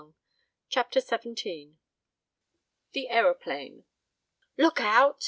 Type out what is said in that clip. CHAPTER XVII THE AEROPLANE "Look out!"